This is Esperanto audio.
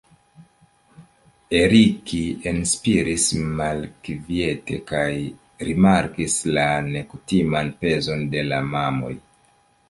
Eric enspiris malkviete kaj rimarkis la nekutiman pezon de la mamoj.